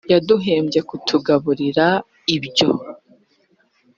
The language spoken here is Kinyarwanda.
imirimo yose twakoze yaduhebye kutugaburira ibiryo